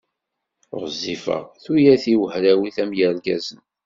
Ɣezzifeɣ, tuyat-iw hrawit am yirgazen.